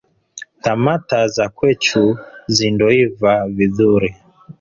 Tamata za kwechu zindoiva vidhuri